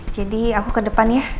jadi aku ke depan ya